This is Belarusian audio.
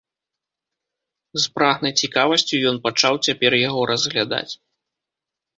З прагнай цікавасцю ён пачаў цяпер яго разглядаць.